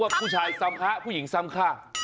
คือว่าผู้ชายซ้ำค้าผู้หญิงซ้ำค่า